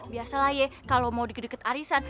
biasalah ya kalo mau dikudeket arisan